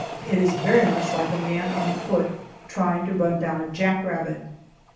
It is very much like a man on foot trying to run down a jack rabbit.